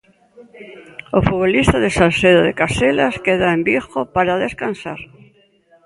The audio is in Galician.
O futbolista de Salceda de Caselas queda en Vigo para descansar.